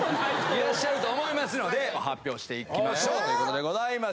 いらっしゃると思いますので発表していきましょうということでございます。